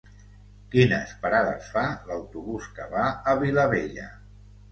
Quines parades fa l'autobús que va a Vilabella?